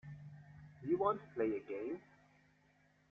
Do you want to play a game.